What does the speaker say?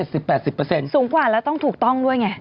สูงกว่าแล้วต้องถูกต้องด้วยไง